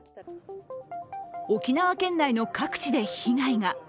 沖縄県内の各地で被害が。